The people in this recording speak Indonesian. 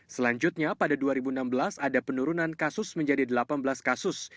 selanjutnya pada dua ribu enam belas ada penurunan kasus menjadi delapan belas kasus